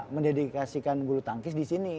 mendedikasikan guru tangkis disini